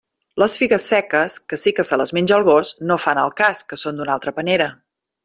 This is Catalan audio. Les figues seques, que sí que se les menja el gos, no fan al cas, que són d'una altra panera.